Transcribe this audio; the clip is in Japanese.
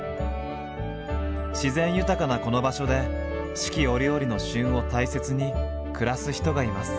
自然豊かなこの場所で四季折々の「旬」を大切に暮らす人がいます。